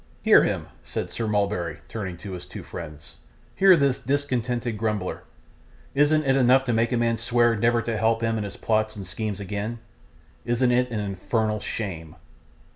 'Hear him,' said Sir Mulberry, turning to his two friends. 'Hear this discontented grumbler. Isn't it enough to make a man swear never to help him in his plots and schemes again? Isn't it an infernal shame?